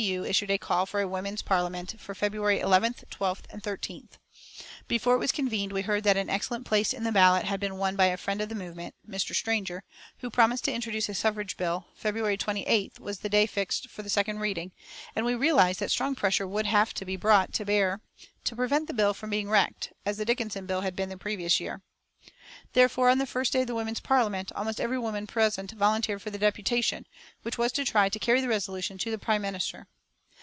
U. issued a call for a Women's Parliament, for February 11th, 12th and 13th. Before it was convened we heard that an excellent place in the ballot had been won by a friend of the movement, Mr. Stanger, who promised to introduce a suffrage bill, February 28th was the day fixed for the second reading, and we realised that strong pressure would have to be brought to bear to prevent the bill being wrecked, as the Dickinson bill had been the previous year. Therefore, on the first day of the Women's Parliament, almost every woman present volunteered for the deputation, which was to try to carry the resolution to the prime minister.